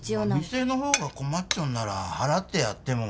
店の方が困っちょんなら払ってやっても。